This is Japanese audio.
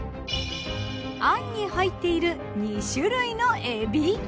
餡に入っている２種類のエビ。